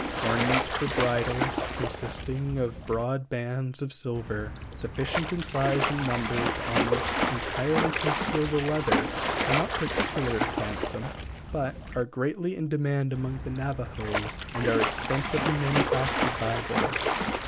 Ornaments for bridles, consisting of broad bands of silver, sufficient in size and number to almost entirely conceal the leather, are not particularly handsome, but are greatly in demand among the Navajos and are extensively manufactured by them.